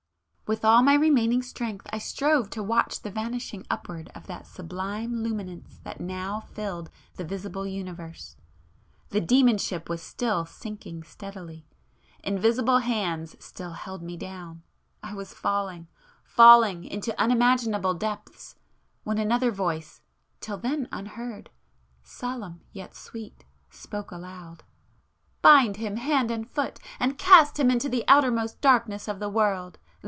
..." With all my remaining strength I strove to watch the vanishing upward of that sublime Luminance that now filled the visible universe,—the demon ship was still sinking steadily, ... invisible hands still held me down, ... I was falling,—falling,—into unimaginable depths, ... when another Voice, till then unheard, solemn yet sweet, spoke aloud— "Bind him hand and foot, and cast him into the outermost darkness of the world!